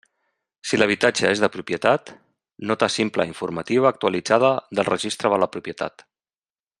Si l'habitatge és de propietat: nota simple informativa actualitzada del Registre de la Propietat.